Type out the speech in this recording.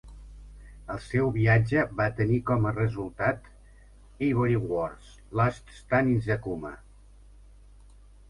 El seu viatge va tenir com a resultat "Ivory Wars: Last Stand in Zakouma".